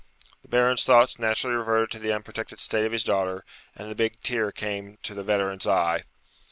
The Baron's thoughts naturally reverted to the unprotected state of his daughter, and the big tear came to the veteran's eye.